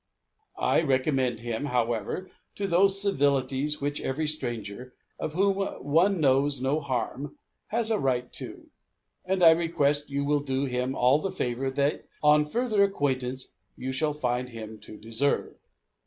I recommend him, however, to those civilities which every stranger, of whom one knows no harm, has a right to; and I request you will do him all the favor that, on further acquaintance, you shall find him to deserve.